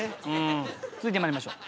続いて参りましょう。